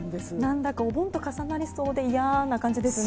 何だかお盆と重なりそうで嫌な感じですね。